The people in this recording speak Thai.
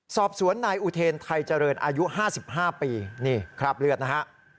สอบสวนนายอุเทนไทยเจริญอายุ๕๕ปีนี่คราบเลือดนะฮะ